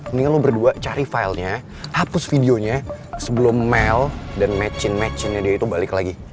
mendingan lo berdua cari filenya hapus videonya sebelum mail dan matching matchinnya dia itu balik lagi